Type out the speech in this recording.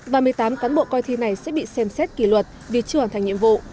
và một mươi tám cán bộ coi thi này sẽ bị xem xét kỷ luật vì chưa hoàn thành nhiệm vụ